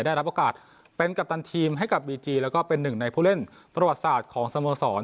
ได้รับโอกาสเป็นกัปตันทีมให้กับบีจีแล้วก็เป็นหนึ่งในผู้เล่นประวัติศาสตร์ของสโมสร